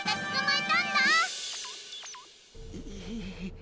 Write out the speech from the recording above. え。